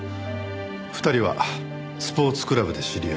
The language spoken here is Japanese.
２人はスポーツクラブで知り合い。